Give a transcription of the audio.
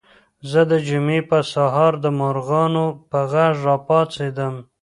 زه د جمعې په سهار د مرغانو په غږ راپاڅېدم.